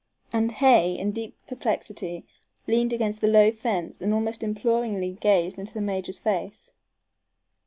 And Hay in deep perplexity leaned against the low fence and almost imploringly gazed into the major's face.